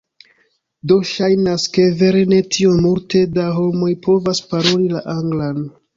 Do ŝajnas ke, vere ne tiom multe da homoj povas paroli la Anglan.